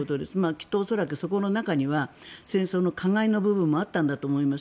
きっと恐らくそこの中には戦争の加害の部分もあったと思います。